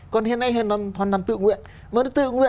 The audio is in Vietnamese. còn hiện nay hoàn toàn là tự nguyện